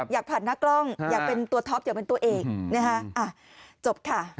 อยากผ่านหน้ากล้องอยากเป็นตัวเทาะอยากเป็นตัวเอก